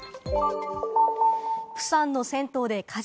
プサンの銭湯で火事。